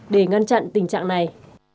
để ngăn chặn tình trạng này